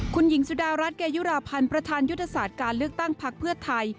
คุณหญิงสุดารัฐเกยุราพันธ์ประธานยุทธศาสตร์การเลือกตั้งพักเพื่อไทย